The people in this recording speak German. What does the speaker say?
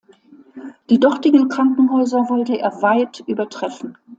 Die dortigen Krankenhäuser wollte er weit übertreffen.